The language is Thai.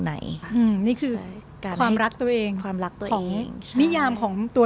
ไหนอืมนี่คือการความรักตัวเองความรักตัวเองของนิยามของตัว